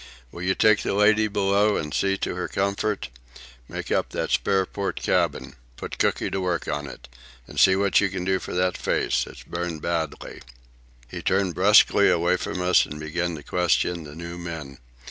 "Will you take the lady below and see to her comfort? Make up that spare port cabin. Put Cooky to work on it. And see what you can do for that face. It's burned badly." He turned brusquely away from us and began to question the new men.